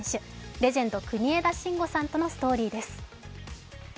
レジェンド・国枝慎吾さんとのストーリーです。